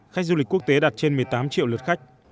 khách du lịch quốc tế đạt trên một mươi tám triệu lượt khách